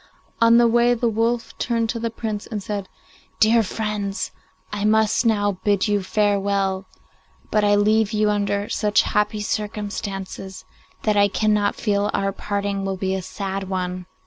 On the way the wolf turned to the Prince and said, 'Dear friends, I must now bid you farewell, but I leave you under such happy circumstances that I cannot feel our parting to be a sad one.